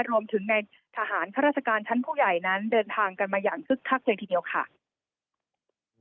รวมถึงในทหารข้าราชการชั้นผู้ใหญ่นั้นเดินทางกันมาอย่างคึกคักเลยทีเดียวค่ะ